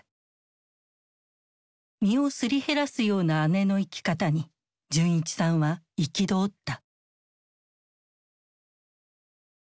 身をすり減らすような姉の生き方に純一さんは憤った。